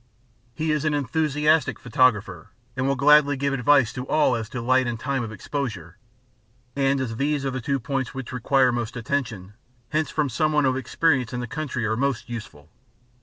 He is an enthusiastic photographer, and will gladly give advice to all as to light and time of exposure; and as these are the two points which require most attention, hints from some one of experience in the country are most useful.